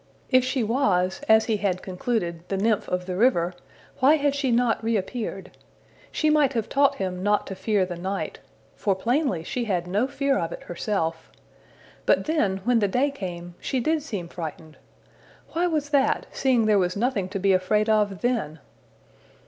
If she was, as he had concluded, the nymph of the river, why had she not reappeared? She might have taught him not to fear the night, for plainly she had no fear of it herself! But then, when the day came, she did seem frightened why was that, seeing there was nothing to be afraid of then?